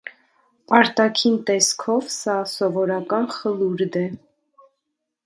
Արտաքին տեսքով սա սովորական խլուրդ է։